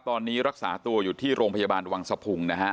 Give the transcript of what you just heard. ตอนนี้รักษาตัวอยู่ที่โรงพยาบาลวังสะพุงนะฮะ